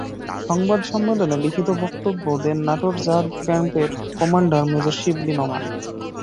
সংবাদ সম্মেলনে লিখিত বক্তব্য দেন নাটোর র্যাব ক্যাম্পের কমান্ডার মেজর শিবলী নোমান।